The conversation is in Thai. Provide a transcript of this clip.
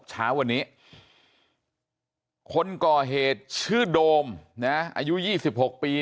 เช้าวันนี้คนก่อเหตุชื่อโดมนะฮะอายุยี่สิบหกปี